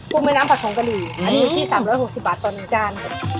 กุ้งมีน้ำผัดของกะหรี่อันนี้ที่๓๖๐บาทตอนหนึ่งจ้าน